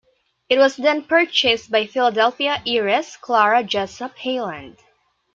It was then purchased by Philadelphia heiress Clara Jessup Heyland.